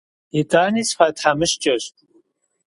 Итӏани сфӏэтхьэмыщкӏэщ.